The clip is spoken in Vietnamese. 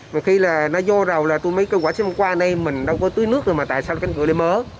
một khi là nó vô rồi là tôi mới kêu quả xin quay đây mình đâu có túi nước rồi mà tại sao cái cửa lại mớ